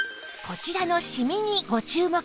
こちらのシミにご注目！